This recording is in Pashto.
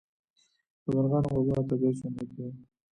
د مرغانو غږونه طبیعت ژوندی کوي